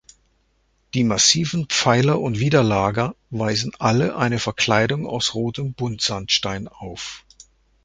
Die massiven Pfeiler und Widerlager weisen alle eine Verkleidung aus rotem Buntsandstein auf.